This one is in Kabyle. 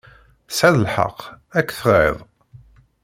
Tesɛiḍ lḥeqq ad k-tɣiḍ.